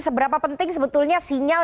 seberapa penting sebetulnya sinyal